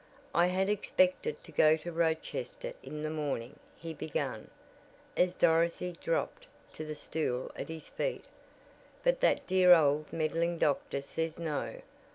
"I had expected to go to Rochester in the morning," he began, as Dorothy dropped to the stool at his feet, "but that dear old meddling doctor says no.